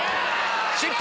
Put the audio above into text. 失敗！